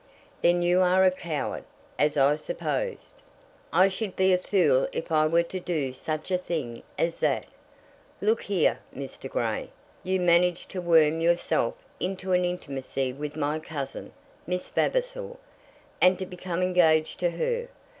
"Then you are a coward, as I supposed." "I should be a fool if I were to do such a thing as that." "Look here, Mr. Grey. You managed to worm yourself into an intimacy with my cousin, Miss Vavasor, and to become engaged to her.